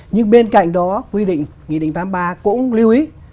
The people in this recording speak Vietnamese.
nhưng bên cạnh đó quy định nghị định tám mươi ba cũng lưu ý